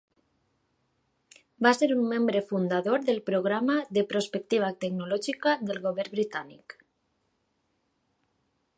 Va ser un membre fundador del programa de Prospectiva tecnològica del govern britànic.